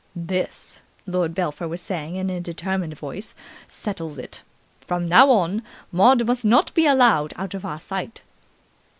"This," Lord Belpher was saying in a determined voice, "settles it. From now on Maud must not be allowed out of our sight."